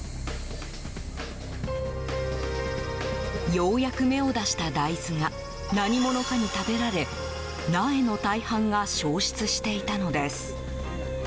ようやく芽を出した大豆が何者かに食べられ苗の大半が消失していたのです。